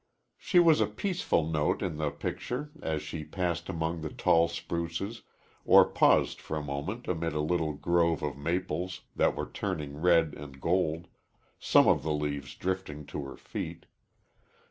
She was a peaceful note in the picture as she passed among the tall spruces, or paused for a moment amid a little grove of maples that were turning red and gold, some of the leaves drifting to her feet.